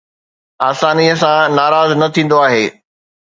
آسانيءَ سان ناراض نه ٿيندو آهي